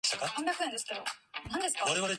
However, this did not help matters.